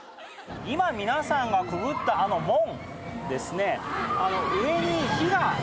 今皆さんがくぐったあの門ですね。